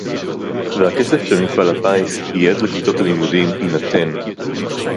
והכסף שמפעל הפיס ייעד לכיתות הלימודים יינתן